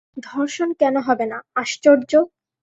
ধর্ষণ কেন হবে না? আশ্চর্য!’